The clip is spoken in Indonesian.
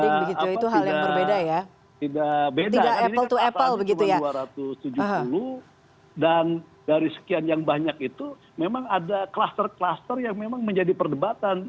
karena ini kataannya cuma dua ratus tujuh puluh dan dari sekian yang banyak itu memang ada kluster kluster yang memang menjadi perdebatan